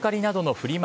フリマ